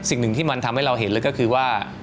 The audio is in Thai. สิ่งหนึ่งที่มันทำให้เราเห็นเลยก็คือว่า